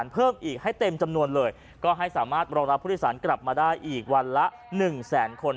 เพิ่มอีกให้เต็มจำนวนเลยก็ให้สามารถรองรับผู้โดยสารกลับมาได้อีกวันละ๑แสนคน